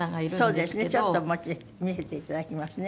ちょっと見せていただきますね。